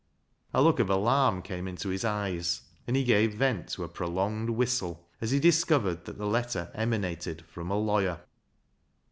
A look of alarm came into his e}'es, and he gave vent to a prolonged whistle, as he discovered that the letter emanated from a lawyer.